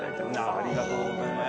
ありがとうございます。